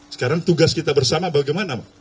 sekarang tugas kita bersama bagaimana